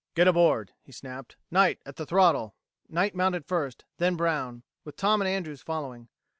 "Get aboard!" he snapped. "Knight at the throttle." Knight mounted first; then Brown, with Tom and Andrews following.